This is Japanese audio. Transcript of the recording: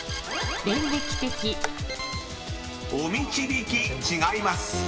［「おみちびき」違います］